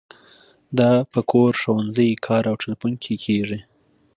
دا په کور، ښوونځي، کار او تیلیفون کې کیږي.